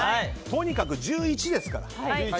とにかく１１ですから。